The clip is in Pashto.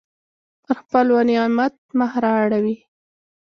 پر خپل ولینعمت مخ را اړوي.